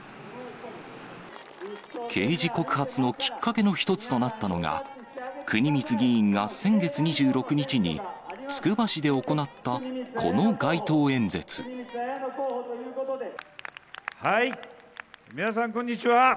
刑事告発のきっかけの一つとなったのが、国光議員が先月２６日に、はい、皆さん、こんにちは。